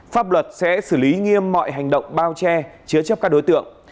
pháp luật sẽ xử lý nghiêm mọi hành động bao che chứa chấp các đối tượng